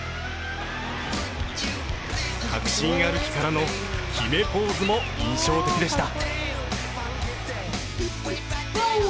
確信歩きからの決めポーズも印象的でした。